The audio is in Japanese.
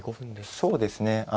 そうですね